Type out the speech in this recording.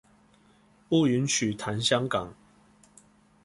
不允許談香港